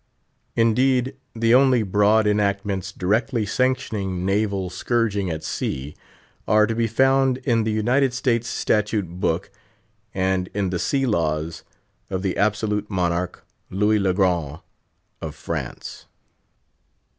Indeed, the only broad enactments directly sanctioning naval scourging at sea are to be found in the United States Statute Book and in the "Sea Laws" of the absolute monarch, Louis le Grand, of France.